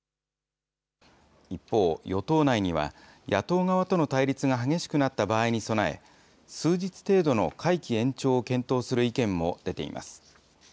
一方、与党内には野党側との対立が激しくなった場合に備え、数日程度の会期延長を検討する意見も出ています。